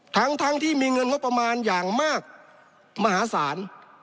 ทั้งที่มีเงินงบประมาณอย่างมากมหาศาล